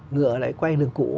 ngựa lại quay lường cũ